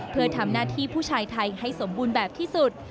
เพื่อทำหน้าที่ผู้ชายไทยให้สมบูรณ์แบบที่สุด